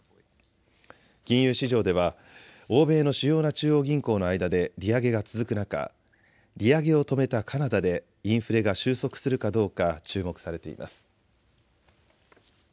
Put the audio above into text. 金融市場では欧米の主要な中央銀行の間で利上げが続く中、利上げを止めたカナダでインフレが収束するかどうか注目されています。